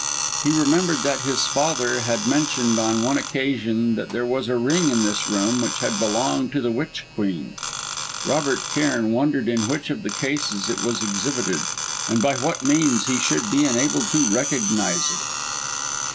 He remembered that his father had mentioned on one occasion that there was a ring in this room which had belonged to the Witch Queen. Robert Cairn wondered in which of the cases it was exhibited, and by what means he should be enabled to recognise it.